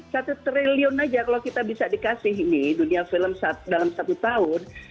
satu triliun aja kalau kita bisa dikasih ini dunia film dalam satu tahun